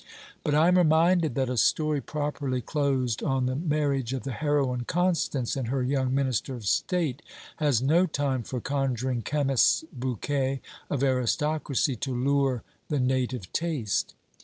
But I am reminded that a story properly closed on the marriage of the heroine Constance and her young Minister of State, has no time for conjuring chemists' bouquet of aristocracy to lure the native taste.